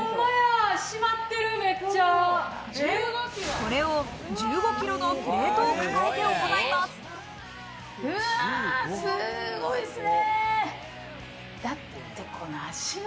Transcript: これを１５ｋｇのプレートをすごいですね。